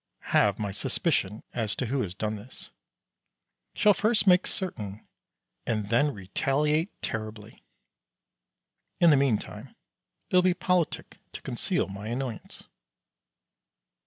Have my suspicions as to who has done this. Shall first make certain and then retaliate terribly. In the meantime it will be politic to conceal my annoyance.